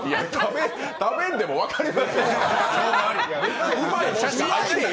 食べんでも分かりますでしょう。